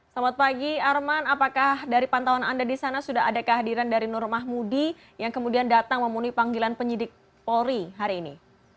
selamat pagi arman apakah dari pantauan anda di sana sudah ada kehadiran dari nur mahmudi yang kemudian datang memenuhi panggilan penyidik polri hari ini